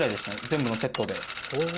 全部のセットで。